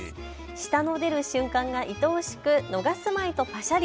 舌の出る瞬間が愛おしく逃すまいとパシャリ。